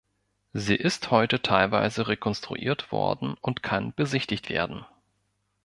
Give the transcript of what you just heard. Sie ist heute teilweise rekonstruiert worden und kann besichtigt werden.